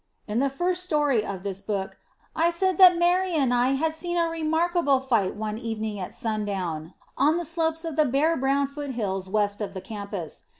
In the first story of this book, I said that Mary and I had seen a remarkable fight one evening at sundown on the slopes of the bare brown foothills west of the campus.